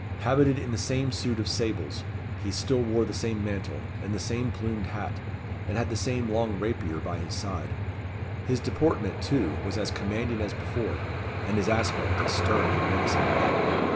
Habited in the same suit of sables, he still wore the same mantle, and the same plumed hat, and had the same long rapier by his side. His deportment, too, was as commanding as before, and his aspect as stern and menacing.